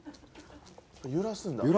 揺らすんだ。